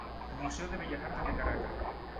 Museo de Bellas Artes de Caracas.